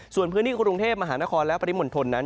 ส่วนพื้นที่กรุงเทพฯมหานครและปฏิมนต์ทน